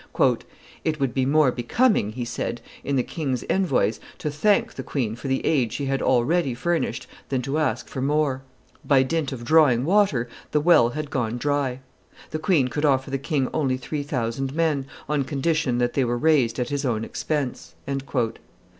"It would be more becoming," he said, "in the king's envoys to thank the queen for the aid she had already furnished than to ask for more; by dint of drawing water the well had gone dry; the queen could offer the king only three thousand men, on condition that they were raised at his own expense."